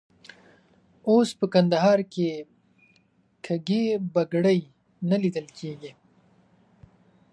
اوس په کندهار کې کږې بګړۍ نه لیدل کېږي.